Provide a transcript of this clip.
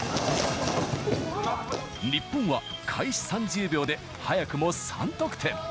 日本は開始３０秒で早くも３得点。